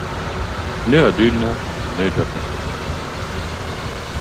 Nüglia adüna e nüglia dapertuot.